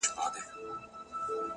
وخت د غفلت تاوان زیاتوي’